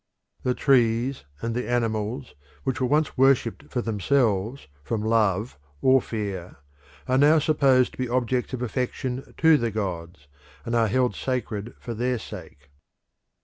The trees and the animals, which were once worshipped for themselves from love or fear, are now supposed to be objects of affection to the gods, and are held sacred for their sake.